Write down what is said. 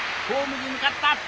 ホームに向かった！